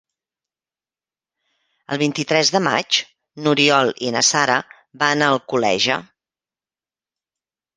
El vint-i-tres de maig n'Oriol i na Sara van a Alcoleja.